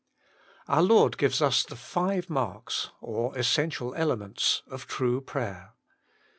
Our Lord gives us the five marks, or essential elements, of true prayer.